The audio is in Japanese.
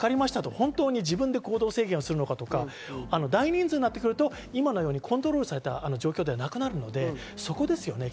本当に自分で行動制限をするか、大人数になってくると今のようにコントロールされた状況にはならなくなるので、そこですね。